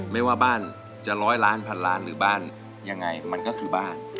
ไม่ว่าบ้านจะร้อยล้านพันล้านหรือบ้านยังไงมันก็คือบ้าน